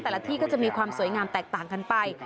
แต่ละที่ก็จะมีความสวยงามแตกต่างกันไป